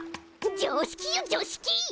常識よ常識！